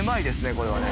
これはね。